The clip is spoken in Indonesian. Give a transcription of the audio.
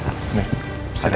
nih sampai nanti